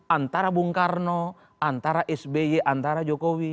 antara bung karno antara sby antara jokowi